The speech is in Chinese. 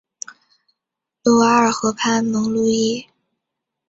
卢瓦尔河畔蒙路易。